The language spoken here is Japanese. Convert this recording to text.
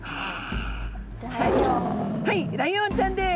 はいライオンちゃんです。